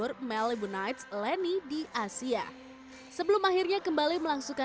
dan kemudian kami pergi ke studio untuk